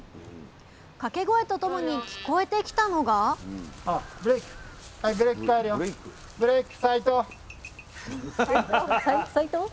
掛け声とともに聞こえてきたのがブブレイク？